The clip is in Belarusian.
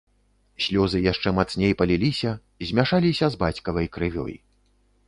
Слёзы яшчэ мацней паліліся, змяшаліся з бацькавай крывёй.